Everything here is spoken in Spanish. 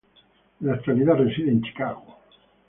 En la actualidad reside en Chicago.